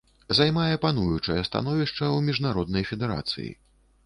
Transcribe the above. Займае пануючае становішча ў міжнароднай федэрацыі.